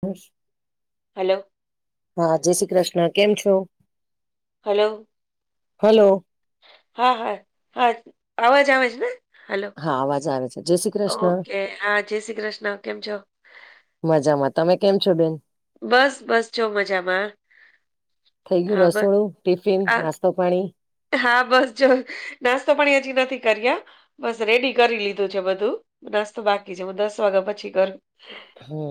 ખુશ હલ્લો? હા જય શ્રી કૃષ્ણ કેમ છો? હલો હલો હા હા હા અવાજ આવે છે ને હલો. હા અવાજ આવે છે. જય શ્રી કૃષ્ણ ઓકે હા જય શ્રી કૃષ્ણ કેમ છો? મજામાં તમે કેમ છો બેન? બસ બસ જો મજામાં [unintelligible] થઈ ગયું હા બસ રસોડું, ટિફિન, આ નાસ્તો.? પાણી હા બસ જો નાસ્તો પણ હજી નથી કર્યા. બસ રેડી કરી લીધું છે બધું નાસ્ તો બાકી છે હું દસ વાગ્યા પછી કર. હમ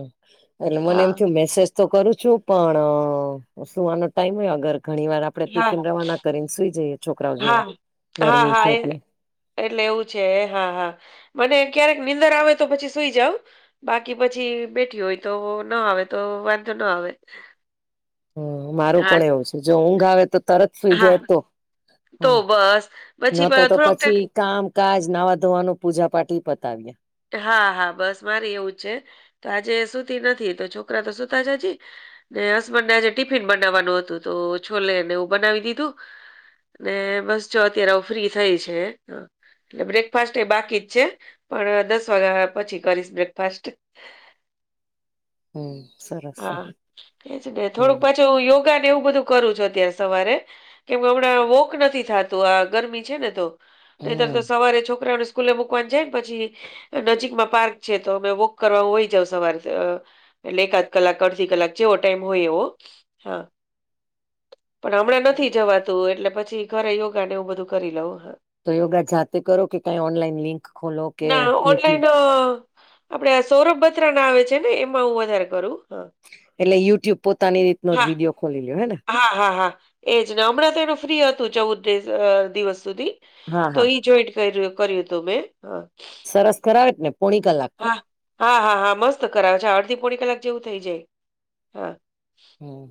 એટલે મને એમ થય મેસેજ તો કરું છું. પણ સુવાનો ટાઈમ હોય અગર ઘણી વાર આપણે હા ટિફિન રવાના કરીને સુઈ જઈએ છોકરાઓ જોડે હા હા ગરમી હા છે, એ એટલે એટલે એવું છે હા હા મને ક્યારેક નીંદર આવે તો પછી સુઈ જાવ. બાકી પછી બેઠી હોય તો ના આવે તો વાંધો ના આવે. હ મારું હા પણ એવું છે જો ઊંઘ આવે તો તરત સુઈ હા જાય તો [unintelligible] તો હમ બસ પછી બ નતો તો થોડોક પછી ટાઈમ કામ કાજ નાવા ધોવાનું પૂજા પાઠ પતાવ્યા. હા હા બસ મારી એવું જ છે તો આજે સુતી નથી. તો છોકરા તો સુતા જ હજી. ને હસબન્ડને આજે ટિફિન બનાવવાનું હતું તો છોલેને એું બનાવી દીધું. ને બસ જો અત્યારે આવું ફ્રી થઈ છે. એટલે બ્રેકફાસ્ટ એ બાકી જ છે પણ દસ વાગ્યા પછી કરીશ બ્રેકફાસ્ટ હમ સરરા હા એજ ને થોડુંક પાછું હ યોગા ને એવું બધું કરું છું અત્યારે સવારે કેમ કે હમણાં વોક નથી થતું આ ગરમી છે ને તો નહીતર તો હમ સવારે છોકરાઓને સ્કૂલે મૂકવાની જાયમ પછી નજીકમાં પાર્ક છે તો અમે વોક કરવાનું હોય જાવ સવારે એટલે એકાદ કક અડધી કલાક જેવો ટાઈમ હોય એવો હા [unintelligible] પણ હમણાં નથી જવા એટલે પછી ઘરે યોગા ને એવું બધું કરી લઉવં હ. તો યોગા જાતે કરો કે કઈ ઓનલાઈન લિંક ખોલો કે ના યુટ્યુબ? ઓનલાઈન આપડે આ સૌરભ બત્રા ના આવે છે ને એમાં હું વધારે કરું હા. એટલે યુટ્યુબ પોતાની રીતનો હા જ હા. વિડીિયો ખોલી લ્યો હે ને? હા હા હા એજ ને હમણાં તો એનું ફ્રી હતું ચૌદ દિવસ સુધી. હા તો હા ઈ જોઈન્ટ કર કર્યું હતું મેં હ. સરસ કરાવે ને પોણી કલાક? હા હા હા હા મસ્ત કરાવે છે અડધી પોણી કલાક જેવું થઇ જાય હા. હમ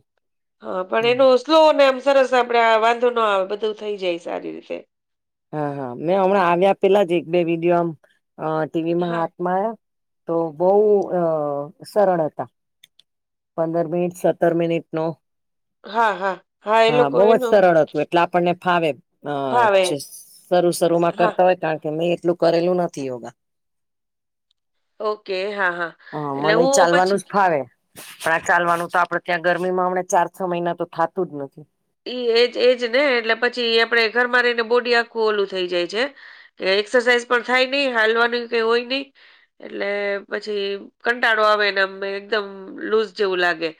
હા પણ હમ એનો સ્લો ને એમ સરસ આપડે વાંધો ન આવે બધું થઈ જાય સારી રીતે હા હા મેં હમણાં આવ્યા પેલા જ એક બે વિડીયો આમ ટીવીમાં હા, હાથમાંર્યા તો બહુ અ સરળ હતા. પંદર મિનિટ સત્તર મિનિટ નો હા, હા. એ [unintelligible] હા લોકો બહુ જ એનું સરળ હતું. એટલે આપણને ફાવે અ ભાવે. શરૂુ શરૂમાં હા, કરતા હોય કારણ કે મે એટલું ઘરેલું નથી યોાગા ઓકે હા હા હ એટલે મને હું ચાલવાનું પછી જ ફાવે પણ આ ચાલવાનું તો આપડે ત્યાં ગરમીમાં હમણા ચાર છ મહિના તો થતું જ નથીવ ઈ એજ એજ ને એટલે પછી આપડે ઘરમાં રહીને બોડી આખું ઓલું થઈ જાય છે. કે એક્સરસાઇઝ પણ થાય નહી હાલવાનું કઈ હોય નહી. એટલે પછી કંટાળો આવેને અ એકદમ લુઝ જેવું લાગે.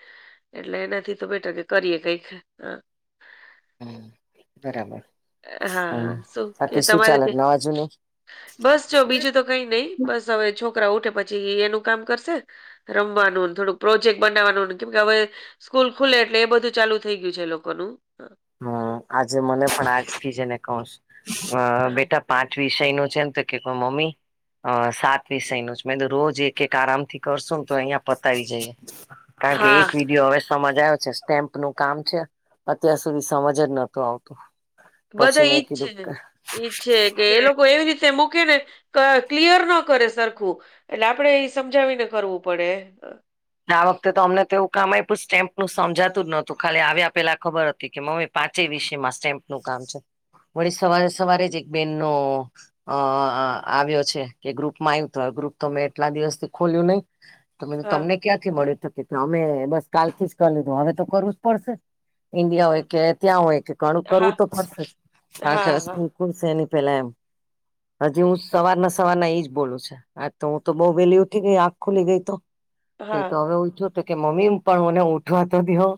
એટલે એનાથી તો બેટર કે કરીએ કઈ. હ હમ બરાબર. હા હમ હા શું કે બાકી શું ચાલે તમારે? નવા જુની બસ ચ બીજું તો કઈ નઈ, બસ હવે છોકરા ઉઠે પછી એનું કામ કરશે. રમવાનું થોડુંક પ્રોજેક્ટ બનાવાનું કેમ હવે સ્કૂલ ખુલે એટલે એ બધું ચાલુ થઇ ગયુ. યું છે લોકોનું? હમ આજે મને પણ આજ થી જને કઉ છુ અ હા બેટા પાંચ વિષય નું છેને તે કે પણ મમ્મી અ સાત વિષય નુ જ મે રોજ એક એક આરામ થી કરશું ને તો અહિયાયા પતાવી જઈએ. કારણ કે હા એક વિડીયો હવે સમજ આવ્યો છે સ્ટેમ્પનું કામ છે અત્યારે- - તે સમજ જ નોતુ આવતુ. બધા ઈજ છે ને ઈજ છે કે એ લોકો એવી રીતે મૂકે ને- - ક ક્લિયર ન કરે સરખું એટલે આપડે એ સમજાવીને કરવું પડે. આ વખતે તો અમને તો એવુ કામમાં એલું સ્ટેમ્પ નું સમજાતું જ નહોતું ખાલી આવ્યા પેલા ખબર હતી કે મ- - પાંચે વિષ માં સ્ટેમ્પનું કામ છે વળી સવારે સવારે જ એક બેન નો- - અ આવ્યો છે કે ગ્રુપમાં આવ્યું તો ગ્રુપ તો મેં એટલા દિવસથી ખોલ્યું નહી. મે હા તમને ક્યાંથી મળ્યું તો કે અમે બસ કાલથી જ કરી લીધું હવે તો કરવું જ પડશે. ઈન્ડિયા હોય કે ત્યાં હોય કે ઘણું હા કરવું તો પડશે કારણ હા હા કે- - ખુલશે એની પહેલા એમ. હજી હું સવાર ના સવારના એઈજ બોલું છ આ તો હું તો બઉુ વહેલી ઉઠી ગઈ આંખ ખુલી ગઈ તો- - તો હા હવે ઉઠજો તો કે મમ્મી પણ ઓને ઉઠવાતો તો દેયૌ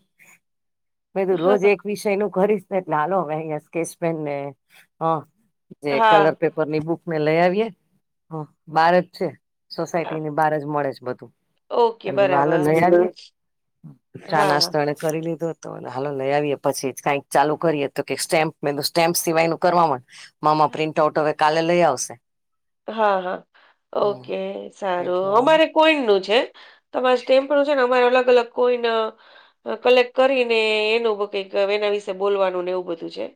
મે કીધું રોજ હા એક- - વિષય નું કરીશ ને એટલે હાલો હવે અહંયા સ્કેચ પેન ને હ જે કલર હા પેપર- - ઉપરની બુક ને લઈ આવીયે હ બહાર જ છે સોસાયટી ને બહાર જ મળે જ બધું- - ઓકે બરાબર ચા હા નાસ્તા હા ને. કરી લીધો હતો અને હાલો લઈ આવીએ પછી જ કઈક ચાલુ કરીએ તો સ્ટેમ્પ મે સ્ટેમ્પ સિવાય નું કરવા- - મામા પ્રિન્ટ આઉટ હવે કાલે લઈ આવશે. હા હા હમ ઓકે એટલે સારું અમારે કોઈડ નું છે. તમારે સ્ટેપ નુ છે અમારે અલગ અલગ કોઈને- - કલેક્ટ કરીને એનું કઈક એના વિશે બોલવાનું ને એવું બધું છે.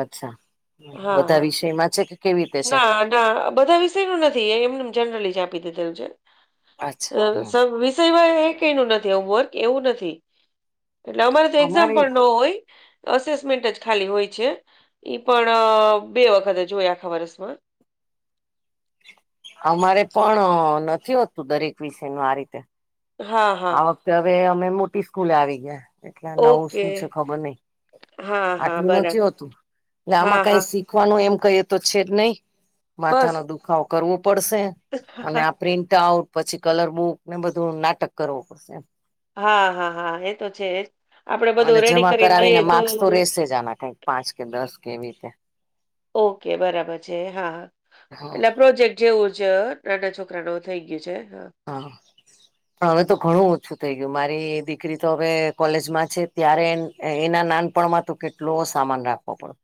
અચ્છા હા બધા હા વિષયમાં છે કે? કેવી રીતે છે ના ના બધા વિષય નુ નથી એમને જનરલી જ આપી દીધેલું છે. અચ્છા અ વિષયમાં એ કઈ ન નથી એ વર્ક એવું નથી. એટલે અમારે તો એક્ઝામ પણ ન હોય- - અસેસમેન્ટ જ ખાલી હોય છે ઈ પણ બે વખત જોય આખા વર્ષમાં. અમારે પણ નથી હોતું દરેક વિષય ન આ રીતે. હા આ હા. વખતે હવે અમે મોટી સ્કૂલ આવી ગયા. એટલે આ નવું ઓકે શું છે ખબર નઈ હા હા આટલું બરાબર નથી હોતું હા આમાં કઈ હા શીખ- - શીખવાનું એમ કહી તો છે જ નહી માથા નો દુખાવો કરવો પડશે. હ અને હા. આ પ્રિન્ટ આઉટ પછી કલર બુક ને બધું નાટક કરવું પડશે એમ. હા હા હા એ તો છે જ આપડે બધું અને રેડી જમા કરીને લઈએ કરાવીને માર્ક્સ તો રેશે જ આના કઈક- - પાંચ કે દસ કે એવી રીતે- - ઓકે બરાબર છે હા હા એટલે પ્રોજેક્ટ- - જેવું જ નાના છોકરા નુ થઇ ગયું છે હ- - હા. પણ હવે તો ઘણું ઓછું થઈ ગયું મારી દીકરી તો હવે કોલેજમાં છે ત્યારે- - એના નાનપણમાં તો કેટલો સામાન રાખવો પડતો.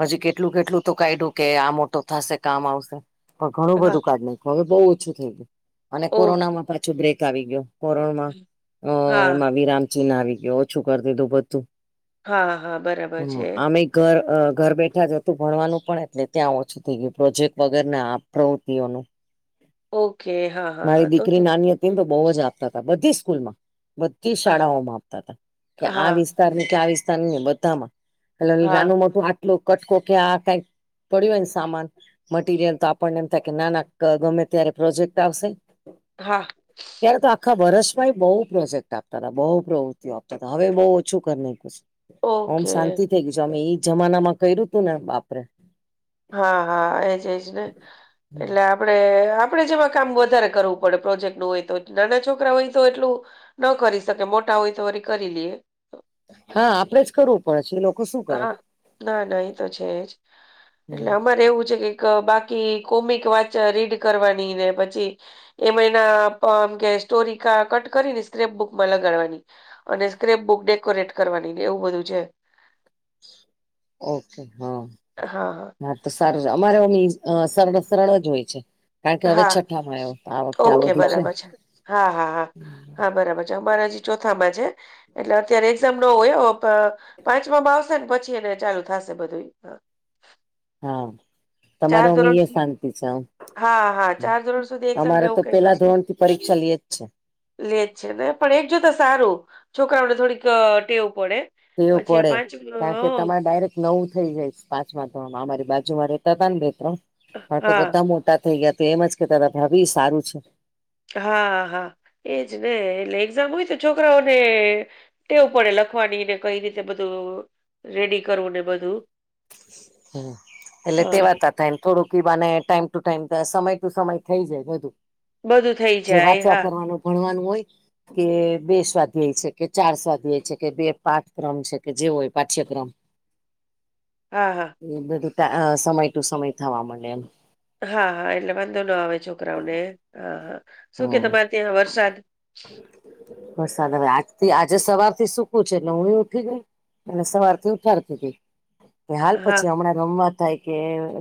હજી કેટલું કેટલું તો કાયડું કે આ મોટો થશે કામ આવશે- - પણ ઘણું હા બધું કાઢ નાખ્યું હવે બહુ ઓછું થઈ ગયું. અને ઓકે કોરોનામાં પાછું બ્રેક આવી ગયો કોરોમાં અ હા, એમાં વિરામ- - છી ના આવી ગયો ઓછું કરતીધું બધું હા, હા, બરાબર છે. આમે- - ઘર ઘર બેઠા જતું ભણવાનું પણ એટલે ત્યાં ઓછું થઈ ગયું પ્રોજેક્ટ વગેર ના પ્રવૃતિઓનું- - ઓકે હા. હા, મારી હા, તો તો દીકરી નાની હતી તો બહુ જ આપતા હતા બધી સ્કૂલમાં- - બધી હા, શાળાઓમાં આપતા હતા કે આ હા, વિસ્તારની કે આ વિસ્તારને બધામાં- - હ હા, નાનું મોટું આટલું કટકો કયા કઈ પડ્યું હોયને સામાન મટીરિયલ તો આપણને એમ થાય કે નાના ગમે ત્યારે પ્રોજેક્ટ આવશે હા ત્યારે તો આખા વર્ષમાં બહુ પ્રોજેક્ટ આપતા હતા બહુ પ્રવૃત્તિઓ આપતા હતા હવે બહુ ઓછું કર હમ ઓકે, શાંતિ થઇ ગય છું અમે એઈ જમાના માં કર્યું તું ને બાપરેે હા હા એજ એજ ને એટલે આ પડે આપડે જેમાં કામ વધારે કરવું પડે પ્રોજેક્ટ નું હોય તો નાના છોકરા હોય તો એટલું ન કરી શકે મોટા હોય તો વરી કરી લઈએ હા આપડે જ કરવું પડશે એ લોકો શું કરે હા ના ના એ તો છેજ એટલે અમારે એવું છે કે ક બાકી કોમિક વાચ રીડ કરવાની ને પછી એમાં એનામ કે સ્ટોરી કટ કરી ને સ્ક્રેપ્ટ બુકમાં લગાડવાની અને સ્ક્રેપ બુક ડેકોરેટ કરવાની એવું બધું છે ઓકે હા હા હા તો સારું અમારેની સરળ સરળ જ હોય છે કારણ કે હવે હા છઠ્ઠામાં આવ્યો તો આ વખતે આ ઓકે બધું બરાબર છે હા હા હા હા બરાબર છે અમારા હજી ચોથા માં છે એટલે અત્યારે એક્ઝામ ન હોય પાંચમામાં આવશે ને પછી એને ચાલુ થશે બધું હા ચાર તમારે અમે ધોરણ સુ શાંતિ છેમ હા હા ચાર ધોરણ સુધી એક્ઝામ ને અમારે તો એવું કઈ પેલા ધોરણ થી પરીક્ષા લઈએ છે લેજ છે ને પણ એક જોતા સારું છોકરાઓને થોડીક ટેવું પડે ટેવ પછી આ પડે પાંચ કારણ કે હમ, તમારે ડાયરેક્ટ નવું થઈ જાય પાંચ તો અમારી બાજુમાં રહેતા હતા ને બે ત્રણ હા તો બધા મોટા થઇ ગયા તો એમજ કે તા ભાભી સારું છે હા હા એજ ને એટલે એક્ઝામ હોય તો છોકરાઓને ટેવ પડે લખવાની ને કઈ રીતે બધું રેડી કરવું ને બધું હા એટલે હા તેવાતા તા એમ થોડુંકને ટાઈમ ટુ ટાઈમ સમય ટુ સમય થઈ જાય બધું બધું થઈ જે જાય વાંચયા હા કરવાનું ભણવાનું હોય કે બે સ્વાધ્યાય છે કે ચાર સ્વાધ્યાય છે કે બે પાંચ ક્રમ છે કે જેવો હોય પાચ્યક્રમ હા હા એ બધું સમય ટુ સમય થવા મળે એમ હા હા એટલે વાંધો ના આવે છોકરાઓને હા હા શું કે હમ તમારે ત્યાં વરસાદ વરસાદ હવે આજથી આજે સવારથી સુકું છે એટલે હું ઉઠી ગઈ એટ સવાર થી ઉઠારતી ગઈ કે હાલ હા પછી હમણાં રમવા થાય કે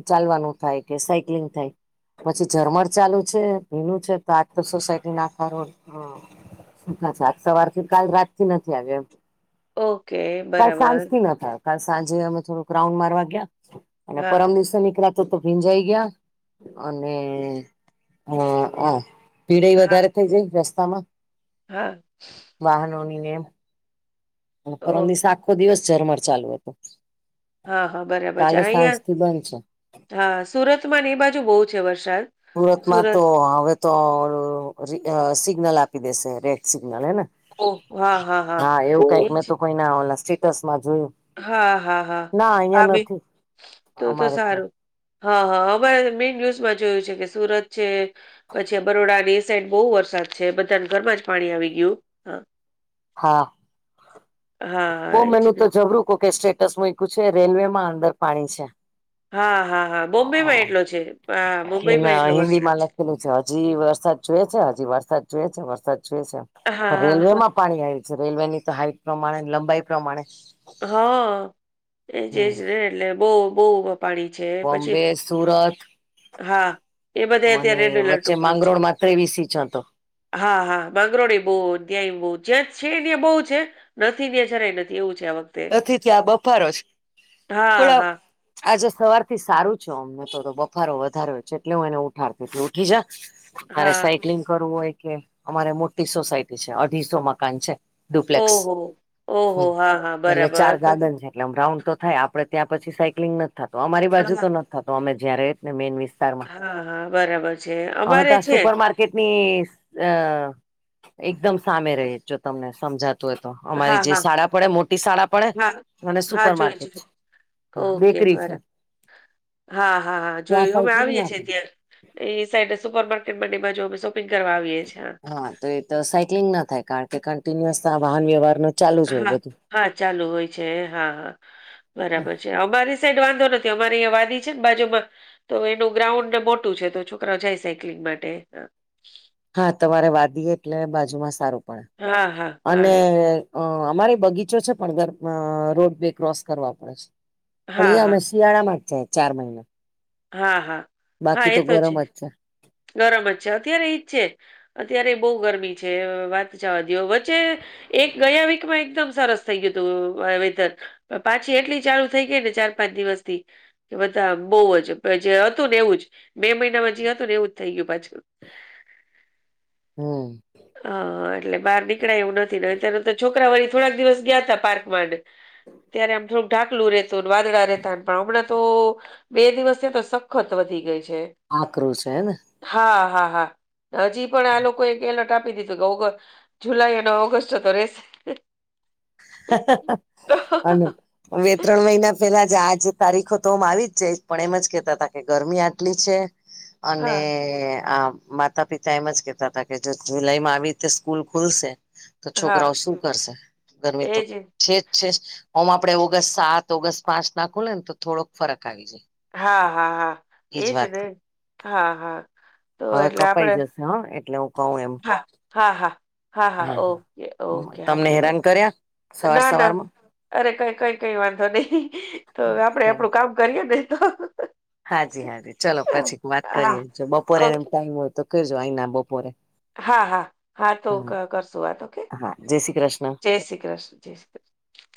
ચાલવાનું થાય કે સાયકલિંગ થાય પછી ઝરમર ચાલુ છે ભીનું છે તો આજ તો સોસાયટી આખો રોડ સુખા છે આજ સવાર કાલ રાતથી નથી આવ્યા એમ ઓકે [unintelligible] બરાબર કાલ સાંજે અમે થોડુંક રાઉન્ડ મારવા ગયા અને હા પરમ દિવસે નીકરા તો તો ભીંજાઈ ગયા અને હ પીડાઈ હા વધારે થઈ જાય રસ્તામાં હા વાહનોની ને એમ પરમ દિવસ ઓકે આખો દિવસ ઝરમર ચાલુ હતું હા હા બરાબર છે કાલે સાંજ અહિયાં થી બંધ છે હા સુરતમાં એ બાજુ બહુ છે વરસાદ સુરતમાં તો સુરત હવે તો સિગ્નલ આપી દેશે રેડ સિગ્નલ હેને ઓહ! હા, હા એ એવું કઈક ઓહ! મેં તો જ કોઈ ના ઓ સ્ટેટસ માં જોયું હા હા હા ના અહિયાં આવે નથી તો તો અમારે ત્યાં સારું હા હા અમારે મેય ન્યુઝમાં જોયું છે કે સુરત છે પછી બરોડા ની સાઈડ બહુ વરસાદ છે બધા ઘરમાં જ પાણી આવી ગયું હા હા હા, બહુ એ મેન જ તો ને. જબરું કો કે સ્ટેટસ છે રેલવે માં અંદર પાણી છે હા, હા, હા. બોમ્બેમાં એટલો છે. હા, મુંબઈમાં એ એટલો હિન્દી વરસાદ માં લખેલું છે હજી વરસાદ જોએ છે હજી વરસાદ જોએ છે વરસાદ જોએ છે પણ હા, હા, રેલવેમાં પાણી આવ્યું છે રેલવે ની તો હાઈટ પ્રમાણે લંબાઈ પ્રમાણે હા એ હમ જેજ ને એટલે બહુ બહુ પાણી છે પછી બોમ્બે સુરત હા એ બધા અને અત્યારે રેડ એલર્ટ વચ્ચે ઉપર છે. માંગરોળમાં ત્રેવીસ ઇંચ હતો. હા હા માંગરોડ બહુ ત્યાંય બહુ જ્યાં છે ત્યાં બહુ છે નથી દે જરાય નથી એવું છે આ વખ નથી ત્યાં બફારો છે હા, પણ આ હા, આજે સવાર થી સારું છે અમને તો બફારો વધારે છે એટલે હું એને ઉઠાડતી ઉઠી જા મારે હા. સાયક્લિંગ કરવું હોય કે અમારે મોટી સોસાયટી છે, અઢીસો મકાન છે. ડુપ્લેક્સ ઓહો ઓહો હા હા એટલે ચાર બરાબર તો ગાર્ડન છે એટલે આમ રાઉન્ડ તો થાય આપે ત્યાં પછી સાયક્લિંગ નથી થાતુ અમારી બાજુ હા, તો નથી થાતું અમે જ્યા રેય ને મેન વિસ્તારમાં હા, હા બરાબર છે. અમે અમારે ત્યા છે. સુપર માર્કે કેટ ની એકદમ સામે રય જો તમને સમજા તું હોય તો હા, અમારી જે હા, શાળા પડે મો ટી શાળા પડે હા, અને હા, સુપર જોયું, માર્કેટ જોયું. છે, ઓકે બેકરી છે. બરા હા હા હા ત્યાં જોયું અમે સાયકલિંગ આવીએ ના છીએ થાય ત્યા એ સાઈડે સુપર માર્કેટ બાજુ અમે શોપિંગ કરવા આવીએ છીએ હા તો એ તો સાયક્લિંગ ના થાય કારણ કે કન્ટિન્યુઅસ વાહન વ્યવહાર તો ચાલુ જ હોય હા, બધું હા ચાલુ હોય છે હા હા બરાબર છે અમારી સાઈડ વાંધો નથી અમારી અહીંયા વાડી છે ને બાજુમાં તો એનું ગ્રાઉન્ડ મોટું છે તો છોકરા ઓ જાય સાયક્લિંગ માટે હા તમારે વાડી એટલે બાજુમાં સારું પણ હા, અને હા. અ અમારે બગીચો છે પણ ઘર રોડવેે ક્રોસ કરવા પડે છે પણ હા, એ અમે હા. શિયાળા માજ જાય ચાર મહિના હા હા બાકી તો ગરમ જ છે ગરમ જ છે અત્યારે એજ છે અત્યારે બહુ ગરમી છે વાત જાવા દયો વચ્ચે એક ગયા વીક માં એકદમ સરસ થઈ ગયું હતું વેતન પાછી એટલી ચાલુ થઈ ગઈ ને ચાર પાંચ દિવસ થી કે બધા બહુ જ જે હતું ને એવું જ બે મહિનામાં જે હતું ને એવું થઈ ગયું પાછું હમ હા એટલે બહાર નીકળાય એવું નથી ને તેનું તો છોકરાઓ થોડાક દિવસ ગયા હતા પાર્ક મા ને ત્યારે આમ થોડુંક ઢાકેલું રહેતું અને વાદળા રહેતા પણ હમણાં તો બે દિવસ તો સખત વધી ગઈ છે. આક્રોશ હે ને હા હા હા હજી પણ આ લોકોએ એલર્ટ આપી દીધું કે ઓગ જુલાઈ અને ઓગસ્ટ તો રેસે. હ હ હ અને બે ત્રણ મહિના પેલા જ આજ તારીખો તો આમ આવી જ જાય પણ એમ જ કેતા હતા કે ગરમી આટલી છે અને હા આ માતા પિતા એમ જ કેહેતા હતા કે જો જુલાઈ માં આવી રીતે સ્કૂલ ખુલશે તો હા છોકરાઓ શું કરશે ગરમી એજ છેજ છે હું આપડે ઓગસ્ટ સાત ઓગસ્ટ પાંચ નાખું લે ને તો થોડોક ફરક આવી જાય. હા હા હા એજ ને, હા હા તો હવે એટલે કપાઈ આપડે જશે હા એટલે હું કહું એમ. હા હા હા હા હા ઓકે ઓકે હા તમને કઈ વાત હેરાન કર્યા સવાર ના ના. સવારમાં અરે કઈ કઈ કઈ વાંધો નહી તોવે આપડે ચાલો આપણું કામ કરીએ ને તો. હાજી હાજી ચલો પછી વાત હા કરીએજો બપોરેને ઓકે ટાઈમ હોય તો કરજો અહી ના બપોરે. હા હા હા તો કરશું વાત ઓકે હા જય શ્રી કૃષ્ણ જય શ્રી કૃષ્ણ જય